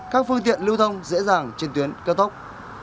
các phương tiện lưu thông dễ dàng trên tuyến cao tốc